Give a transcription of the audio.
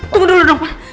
tunggu dulu pak